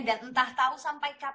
dan entah tahu sampai kapan gitu